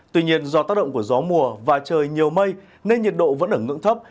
tuy nhiên do tác động của gió mùa và trời nhiều mây nên nhiệt độ vẫn ở ngưỡng thấp